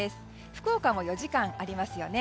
福岡も４時間ありますね。